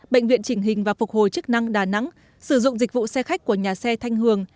bệnh viện chỉnh hình và phục hồi chức năng đà nẵng sử dụng dịch vụ xe khách của nhà xe thanh hường